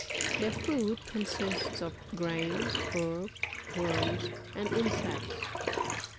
Their food consists of grains, herbs, worms and insects.